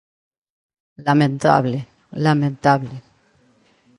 Lamentable, lamentable.